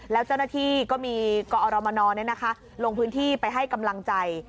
แล้วเจ้าหน้าที่ก็มีกอรมนลงพื้นที่ไปให้กำลังใจ